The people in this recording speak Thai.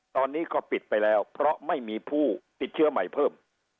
ตอนนี้ก็ปิดไปแล้วเพราะไม่มีผู้ติดเชื้อใหม่เพิ่ม